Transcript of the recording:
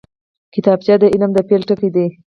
کتابچه د علم د پیل ټکی دی